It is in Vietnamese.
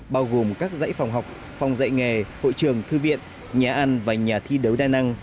bao gồm các dãy phòng học phòng dạy nghề hội trường thư viện nhà ăn và nhà thi đấu đa năng